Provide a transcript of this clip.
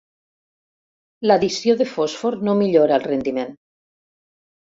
L'addició de fòsfor no millora el rendiment.